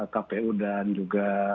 kpu dan juga